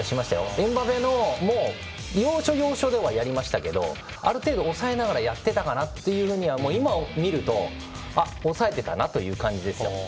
エムバペも要所、要所ではやりましたがある程度抑えながらやっていたかなと、今見るとあ、抑えてたなという感じですね。